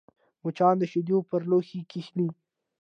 مچان د شیدو پر لوښي کښېني